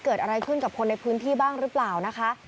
เกิดอะไรขึ้นกับคนในพื้นที่บ้างหรือเปล่านะคะ